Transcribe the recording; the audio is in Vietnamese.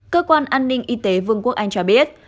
cơ quan an ninh y tế vương quốc anh cho biết